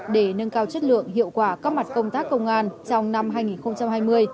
để nâng cao chất lượng hiệu quả các mặt công tác công an trong năm hai nghìn hai mươi